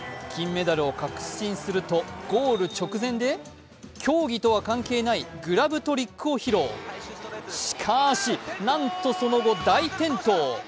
金メダルを確信するとゴール直前で、競技とは関係ないグラブトリックを披露、しかし、なんとその後、大転倒。